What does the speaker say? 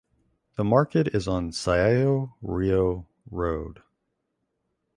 The market is on Sayaji Rao Road.